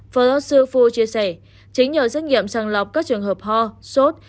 phó giáo sư phu chia sẻ chính nhờ xét nghiệm sàng lọc các trường hợp ho sốt